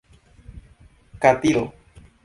katido